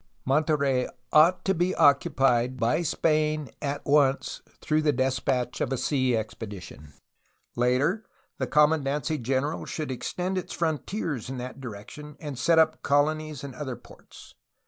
Monterey ought to be occupied by Spain at once, through the despatch of a sea expedition. Later, the commandancy general should ex tend its frontiers in that direction and set up colonies in other ports.